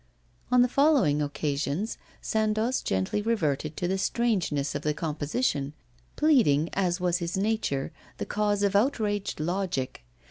On the following occasions, Sandoz gently reverted to the strangeness of the composition, pleading, as was his nature, the cause of outraged logic.